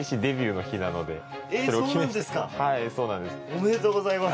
おめでとうございます。